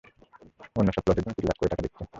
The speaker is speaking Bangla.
অন্য সব প্লটের জন্য তিন লাখ করে টাকা দিচ্ছে।